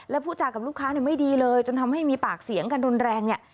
และพูดจากับลูกค้าไม่ดีเลยจนทำให้มีปากเสียงกันรุนแรงเนี่ย